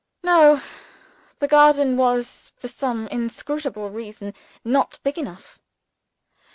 No! the garden was (for some inscrutable reason) not big enough.